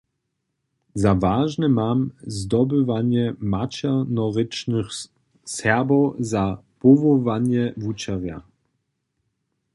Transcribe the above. Za wažne mam zdobywanje maćernorěčnych Serbow za powołanje wučerja.